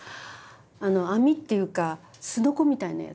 網っていうかすのこみたいなやつでしょ？